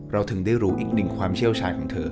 เราถึงได้รู้อีกหนึ่งความเชี่ยวชะดัด